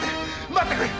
待ってくれ！